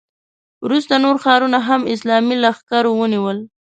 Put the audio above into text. وروسته نور ښارونه هم اسلامي لښکرو ونیول.